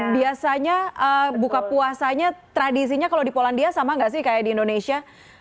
biasanya buka puasanya tradisinya kalau di polandia sama nggak sih kayak di indonesia